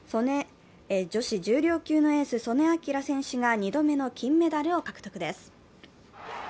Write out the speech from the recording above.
女子重量級のエース・素根輝選手が２度目の金メダルを獲得です。